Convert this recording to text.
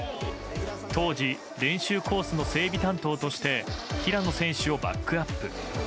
当時、練習コースの整備担当として平野選手をバックアップ。